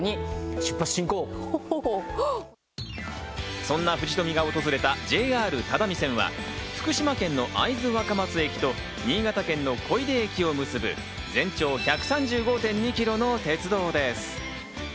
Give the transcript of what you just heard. そんな藤富が訪れたＪＲ只見線は、福島県の会津若松駅と新潟県の小出駅を結ぶ、全長１３５．２キロの鉄道です。